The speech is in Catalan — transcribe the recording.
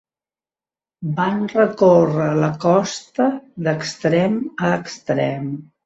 Van recórrer la costa d'extrem a extrem.